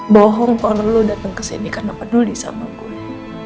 bohong ponel lu dateng kesini karena peduli sama gue